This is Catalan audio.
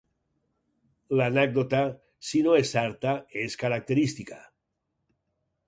L'anècdota, si no és certa és característica